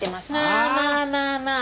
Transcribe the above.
まあまあまあまあ。